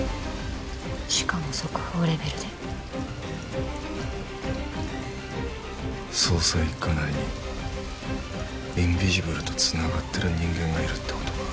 しかも速報レベルで捜査一課内にインビジブルとつながってる人間がいるってことか？